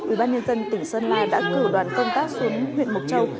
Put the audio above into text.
ubnd tỉnh sơn la đã cử đoàn công tác xuống huyện mộc châu